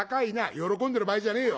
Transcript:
「喜んでる場合じゃねえよ。